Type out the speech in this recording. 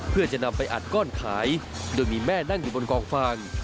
เพื่อจะนำไปอัดก้อนขายโดยมีแม่นั่งอยู่บนกองฟาง